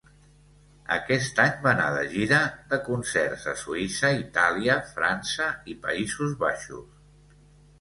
Aquest any va anar de gira de concerts a Suïssa, Itàlia, França i Països Baixos.